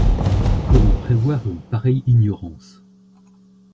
Comment prévoir une pareille ignorance ?